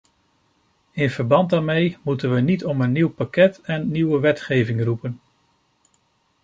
In verband daarmee moeten we niet om een nieuw pakket en nieuwe wetgeving roepen.